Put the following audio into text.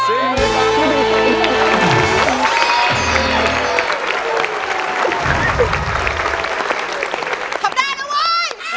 ทำได้แล้วเว้ย